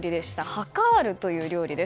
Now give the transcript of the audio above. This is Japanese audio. ハカールという料理です。